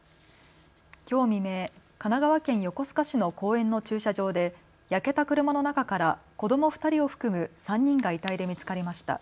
きょう未明、神奈川県横須賀市の公園の駐車場で焼けた車の中から子ども２人を含む３人が遺体で見つかりました。